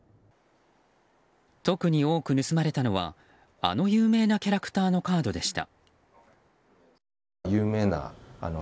特に多く盗まれたのはあの有名なキャラクターのカードでした。